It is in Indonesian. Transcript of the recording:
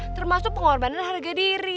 termasuk pengorbanan harga diri